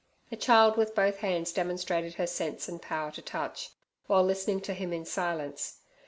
The child with both hands demonstrated her sense and power to touch, while listening to him in silence.